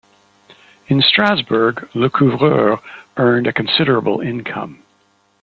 In Strasbourg, Lecouvreur earned a considerable income.